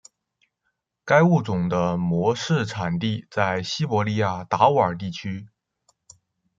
该物种的模式产地在西伯利亚达乌尔地区。